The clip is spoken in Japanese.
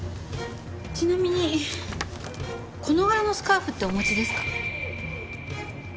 ちなみにこの柄のスカーフってお持ちですか？